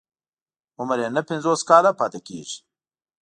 عمر يې نهه پنځوس کاله پاتې کېږي.